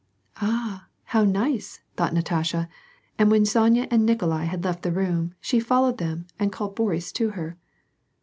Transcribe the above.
" Ah ! how nice !" thought Natasha, and when Sonya and Nikolai had left the room, she followed them and called Boris to her.